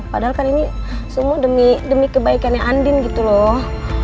padahal kan ini semua demi kebaikannya andin gitu loh